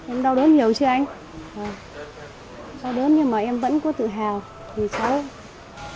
em đau đớn nhiều chứ anh đau đớn nhưng mà em vẫn có tự hào vì cháu